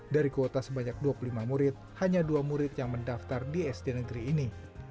dari kuota sebanyak dua puluh lima murid hanya dua murid yang mendaftar di sd negeri ini